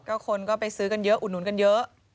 คนก็ไปซื้อกันเยอะอุดหนุนกันเยอะ